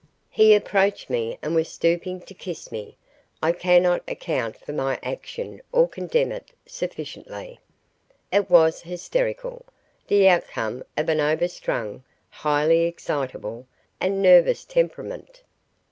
He approached me and was stooping to kiss me. I cannot account for my action or condemn it sufficiently. It was hysterical the outcome of an overstrung, highly excitable, and nervous temperament.